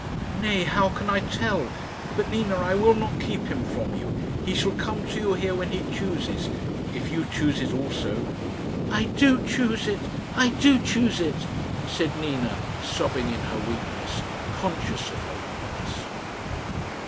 "Nay, how can I tell? But, Nina, I will not keep him from you. He shall come to you here when he chooses if you choose it also." "I do choose it I do choose it," said Nina, sobbing in her weakness conscious of her weakness.